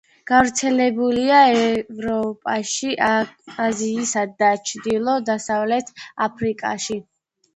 გავრცელებულია ევროპაში, აზიასა და ჩრდილო-დასავლეთ აფრიკაში.